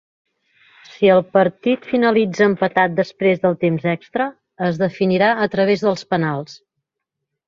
Si el partit finalitza empatat després del temps extra, es definirà a través dels penals.